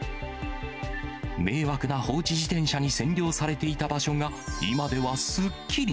迷惑な放置自転車に占領されていた場所が、今ではすっきり。